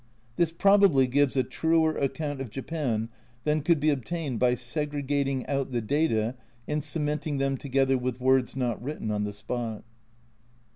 This probably gives a truer account of Japan than could be obtained by segregating out the data and cement ing them together with words not written on the spot.